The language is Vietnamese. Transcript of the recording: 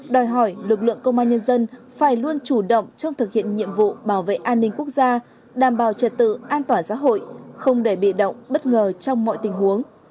đòi hỏi lực lượng công an nhân dân phải luôn chủ động trong thực hiện nhiệm vụ bảo vệ an ninh quốc gia đảm bảo trật tự an toàn xã hội không để bị động bất ngờ trong mọi tình huống